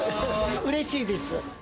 うれしいです。